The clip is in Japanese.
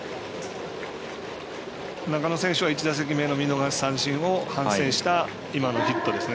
中野選手は１打席目の見逃し三振を反省した今のヒットですね。